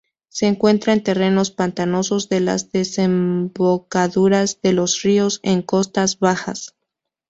Se encuentra en terrenos pantanosos de las desembocaduras de los ríos, en costas bajas.